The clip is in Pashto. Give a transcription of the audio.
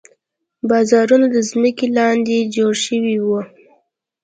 بازارونه د ځمکې لاندې جوړ شوي وو.